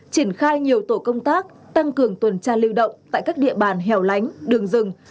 triển khai nhiều tổ công tác tăng cường tuần tra lưu động tại các địa bàn hẻo lánh đường rừng